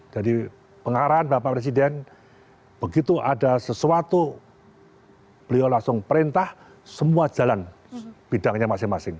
jadi pengarahan bapak presiden begitu ada sesuatu beliau langsung perintah semua jalan bidangnya masing masing